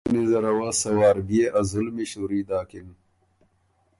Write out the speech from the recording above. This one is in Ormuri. او پشتُنی زره وه سۀ وار بئے ا ظلمی شُوري داکِن۔